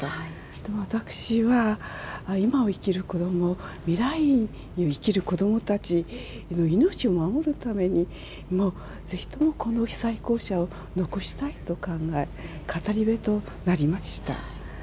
でも私は、今を生きる子ども、未来に生きる子どもたちの命を守るためにもうぜひともこの被災校舎を残したいと考え、語り部となりました。